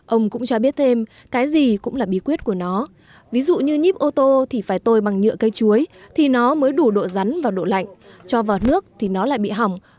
ông cũng cho biết thêm cái gì cũng là bí quyết của nó ví dụ như nhíp ô tô thì phải tôi bằng nhựa cây chuối thì nó mới đủ độ rắn và độ lạnh cho vào nước thì nó lại bị hỏng